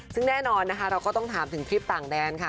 ซึ่งแน่นอนนะคะเราก็ต้องถามถึงคลิปต่างแดนค่ะ